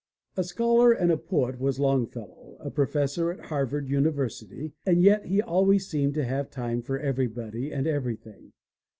A scholar and a poet was Longfellow, a Professor at Harvard University, and yet he always seemed to have time for everybody and everything.